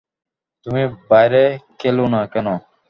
তুমি বাইরে খেলো না কেন?